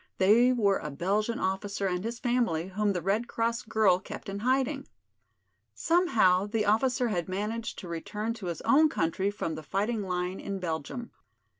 They were a Belgian officer and his family whom the Red Cross girl kept in hiding. Somehow the officer had managed to return to his own country from the fighting line in Belgium.